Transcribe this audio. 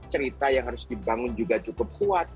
cerita yang harus dibangun juga cukup kuat